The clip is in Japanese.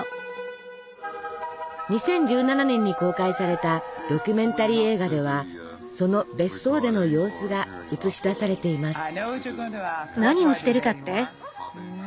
２０１７年に公開されたドキュメンタリー映画ではその別荘での様子が映し出されています。